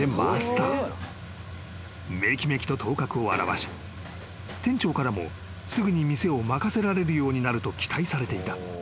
［めきめきと頭角を現し店長からもすぐに店を任せられるようになると期待されていた］